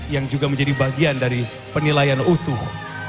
yang juga menjadi bagian dari penilaian utuh